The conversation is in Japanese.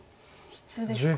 質ですか。